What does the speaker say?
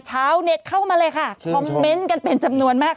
ชาวเน็ตเข้ามาเลยค่ะคอมเมนต์กันเป็นจำนวนมาก